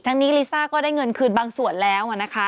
นี้ลิซ่าก็ได้เงินคืนบางส่วนแล้วนะคะ